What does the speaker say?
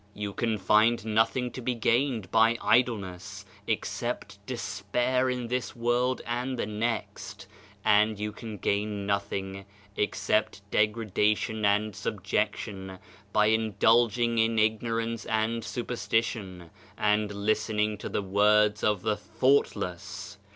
You can find nothing to be gained 118 Digitized by Google OF CIVILIZATION by idleness, except despair in this world and the next, and you can gain nothing except degradation and subjection by indulging in ignorance and superstition, and listening to the words of the thoughtless.